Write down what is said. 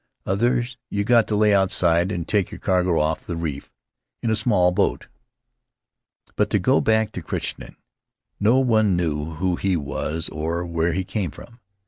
Others you got to lay outside an' take your cargo off the reef in a small boat." But, to go back to Crichton, no one knew who he was or where he came from.